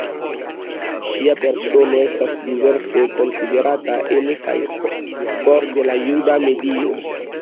Ŝia persono estas diverse konsiderata ene kaj for de la juda medio.